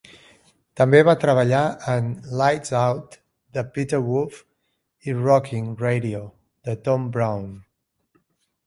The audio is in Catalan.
També va treballar en "Lights Out" de Peter Wolf i "Rockin' Radio" de Tom Browne.